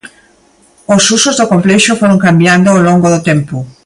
Os usos do complexo foron cambiando ao longo do tempo.